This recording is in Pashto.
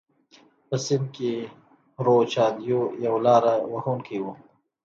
په سند کې پرو چاندیو یو لاره وهونکی و.